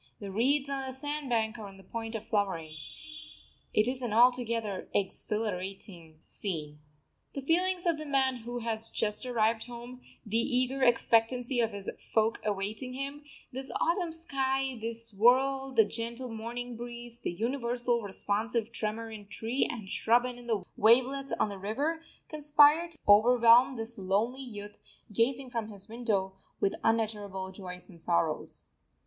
The reeds on the sand bank are on the point of flowering. It is altogether an exhilarating scene. The feelings of the man who has just arrived home, the eager expectancy of his folk awaiting him, this autumn sky, this world, the gentle morning breeze, the universal responsive tremor in tree and shrub and in the wavelets on the river, conspire to overwhelm this lonely youth, gazing from his window, with unutterable joys and sorrows.